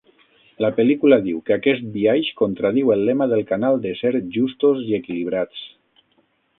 La pel·lícula diu que aquest biaix contradiu el lema del canal de ser "Justos i equilibrats".